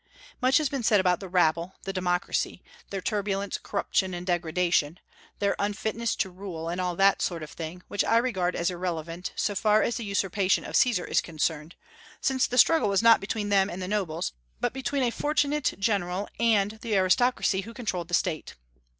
Much has been said about the rabble, the democracy, their turbulence, corruption, and degradation, their unfitness to rule, and all that sort of thing, which I regard as irrelevant, so far as the usurpation of Caesar is concerned; since the struggle was not between them and the nobles, but between a fortunate general and the aristocracy who controlled the State.